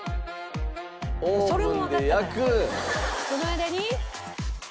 その間に。